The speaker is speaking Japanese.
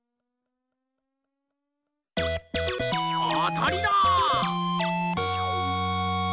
あたりだ！